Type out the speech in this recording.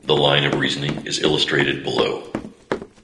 The line of reasoning is illustrated below.